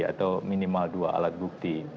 atau minimal dua alat bukti